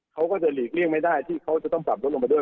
เขาก็จะหลีกเลี่ยงไม่ได้ที่เขาจะต้องปรับลดลงมาด้วย